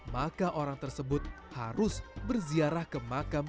maka orang tersebut harus berziarah ke makam